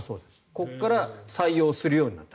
ここから採用するようになった。